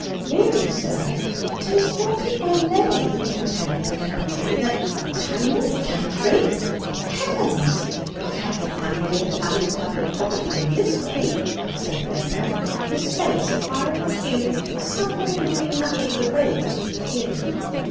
"Really, sir, 'tis thoughted by many in town and country that " "Town and country! Heavens, I had no idea that I was public property in this way!" said the vicar, his face acquiring a hue somewhere between that of the rose and the peony.